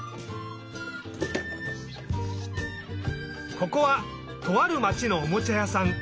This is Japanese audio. ここはとあるまちのおもちゃやさん。